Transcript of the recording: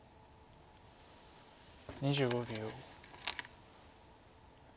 ２５秒。